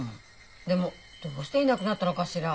でもどうしていなくなったのかしら？